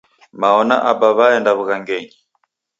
Mao na Aba w'aenda w'ughangenyi.